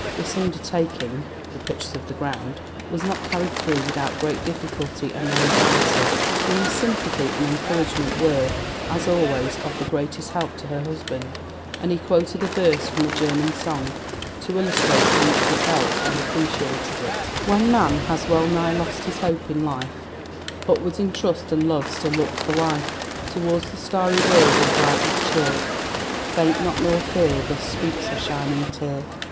This undertaking (the purchase of the ground) was not carried through without great difficulty and anxiety. The Queen's sympathy and encouragement were, as always, of the greatest help to her husband, and he quoted a verse from a German song, to illustrate how much he felt and appreciated it: When man has well nigh lost his hope in life, Upwards in trust and love still looks the wife, Towards the starry world all bright with cheer, Faint not nor fear, thus speaks her shining tear.